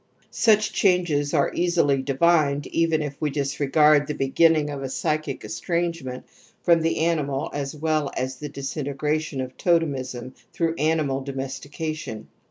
Such changes are easily divined even if we dis regard the beginning of a psychic estrangement from the animal as well as the disintegration of totemism through animal domestication ®'